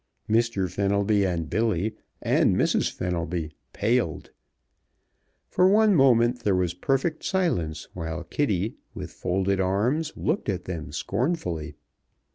Mr. Fenelby and Billy and Mrs. Fenelby paled. For one moment there was perfect silence while Kitty, with folded arms, looked at them scornfully.